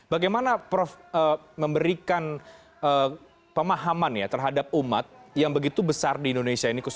bagaimana prof memberikan pemahaman ya terhadap umat yang begitu besar di indonesia ini